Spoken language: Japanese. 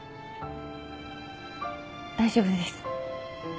大丈夫です。